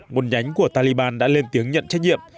một nhánh của taliban đã lên tiếng nhận trách nhiệm